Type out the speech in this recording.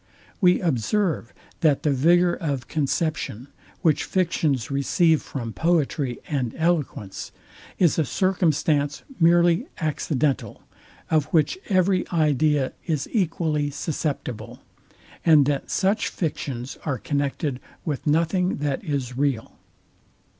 We observe, that the vigour of conception, which fictions receive from poetry and eloquence, is a circumstance merely accidental, of which every idea is equally susceptible; and that such fictions are connected with nothing that is real.